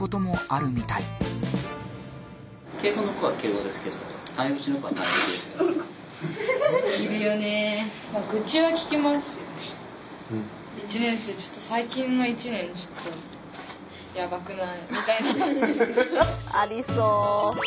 ありそう。